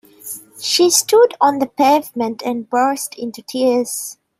She stood on the pavement and burst into tears.